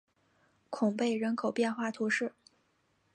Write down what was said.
孔贝人口变化图示